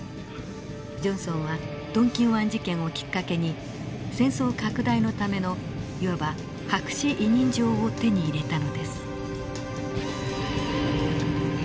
ジョンソンはトンキン湾事件をきっかけに戦争拡大のためのいわば白紙委任状を手に入れたのです。